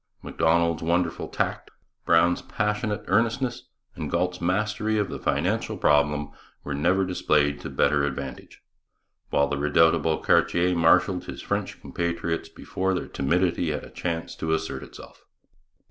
Macdonald's wonderful tact, Brown's passionate earnestness, and Galt's mastery of the financial problem, were never displayed to better advantage; while the redoubtable Cartier marshalled his French compatriots before their timidity had a chance to assert itself.